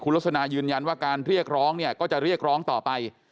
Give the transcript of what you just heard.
ลักษณะยืนยันว่าการเรียกร้องเนี่ยก็จะเรียกร้องต่อไป